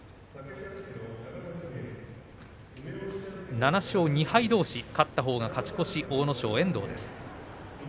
７勝２敗どうし勝ったほうが勝ち越し阿武咲に遠藤です。